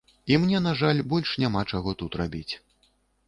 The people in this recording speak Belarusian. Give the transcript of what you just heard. І мне, на жаль, больш няма чаго тут рабіць.